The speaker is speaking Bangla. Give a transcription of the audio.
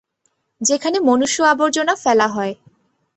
যেখানে মনুষ্য আবর্জনা ফেলা হয়।